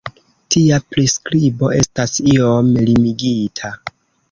Tia priskribo estas iom limigita.